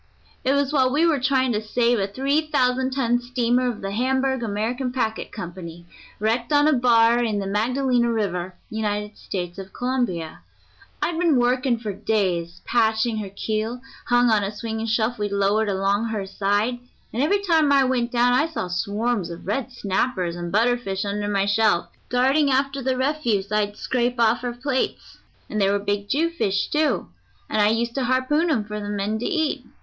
It was while we were trying to save a three thousand ton steamer of the Hamburg American Packet Company, wrecked on a bar in the Magdalena River, United States of Colombia. I'd been working for days patching her keel, hung on a swinging shelf we'd lowered along her side, and every time I went down I saw swarms of red snappers and butterfish under my shelf, darting after the refuse I'd scrape off her plates; and there were big jewfish, too, and I used to harpoon 'em for the men to eat.